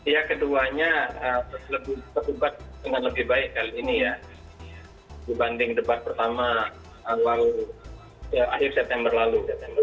ya keduanya terlibat dengan lebih baik kali ini ya dibanding debat pertama awal akhir september lalu